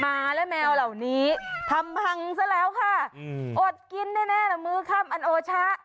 หมาและแมวเหล่านี้ทำพังซะแล้วค่ะอดกินแน่แน่แหละมื้อค่ำอันโอชะ